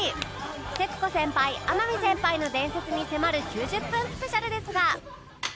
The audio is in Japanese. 徹子先輩天海先輩の伝説に迫る９０分スペシャルですが